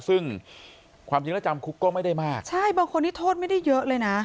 ซึ่งความจริงแล้วจำคุกก็ไม่ได้มากใช่บางคนนี้โทษไม่ได้เยอะเลยนะ